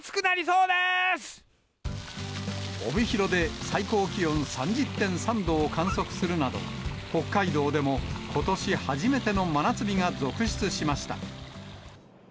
帯広で最高気温３０．３度を観測するなど、北海道でもことし初めての真夏日が続出しました。